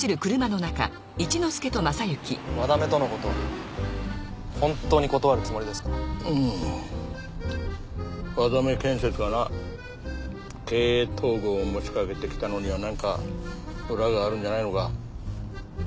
和田目建設がな経営統合を持ちかけてきたのには何か裏があるんじゃないのか。